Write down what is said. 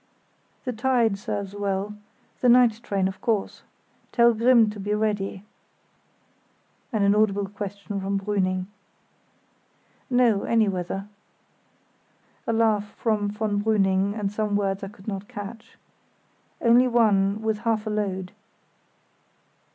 "The tide serves well. The night train, of course. Tell Grimm to be ready——" (An inaudible question from von Brüning.) "No, any weather." A laugh from von Brüning and some words I could not catch. "Only one, with half a load."